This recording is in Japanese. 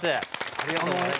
ありがとうございます。